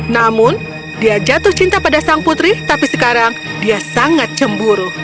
namun dia jatuh cinta pada sang putri tapi sekarang dia sangat cemburu